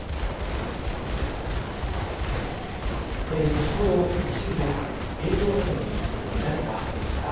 先ほど、一部映像などに乱れがありました。